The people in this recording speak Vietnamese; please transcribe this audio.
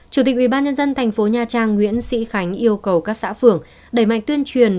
chủ tịch ubnd thành phố nha trang nguyễn sĩ khánh yêu cầu các xã phường đẩy mạnh tuyên truyền